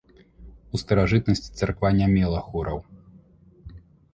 У старажытнасці царква не мела хораў.